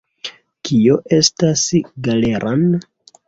Kio estas Galeran?